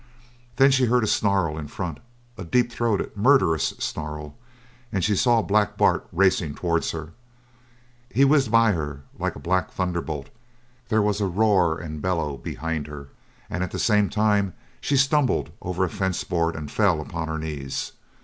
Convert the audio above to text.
Then she heard a snarl in front, a deep throated, murderous snarl, and she saw Black Bart racing towards her. He whizzed by her like a black thunderbolt; there was a roar and bellow behind her, and at the same time she stumbled over a fence board and fell upon her knees.